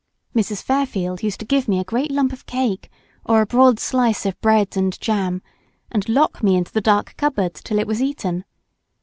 Mrs. Fairfield used to give me a great lump of cake or a broad slice of bread and jam, and lock me into the dark cupboard till it was eaten.